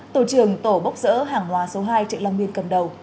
tổ trường tổ bốc rỡ hàng hóa số hai trực long biên cầm đầu